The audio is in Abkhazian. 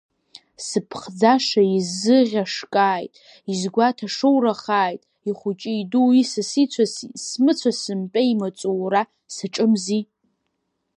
Сыԥхӡаша изыӷьашкааит, изҭәагашоурахааит, ихәыҷы-иду, исас-ицәас, смыцәа-сымтәа имаҵура саҿымзи!